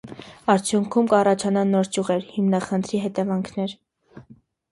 Արդյունքում կառաջանան նոր ճյուղեր (հիմնախնդրի հետևանքներ)։